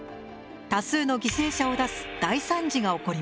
多数の犠牲者を出す大惨事が起こります。